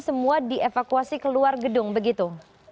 semua dievakuasi keluar gedung begitu